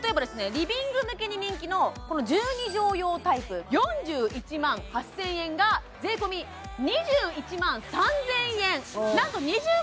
リビング向けに人気のこの１２畳用タイプ４１万８０００円が税込２１万３０００円